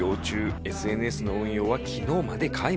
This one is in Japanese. ＳＮＳの運用は昨日まで皆無。